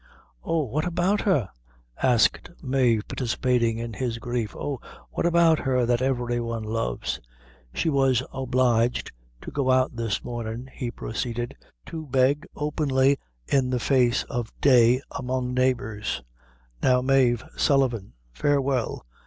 "Oh! what about her?" asked Mave, participating in his grief; "oh! what about her that every one loves?" "She was obliged to go out this mornin'," he proceeded, "to beg openly in the face of day among the neighbors! Now, Mave Sullivan, farewell!"